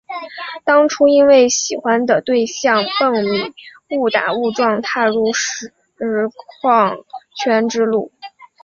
当初因为喜欢的对象蹦米误打误撞踏入实况圈之路。